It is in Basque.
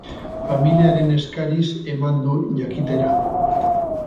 Familiaren eskariz eman du jakitera.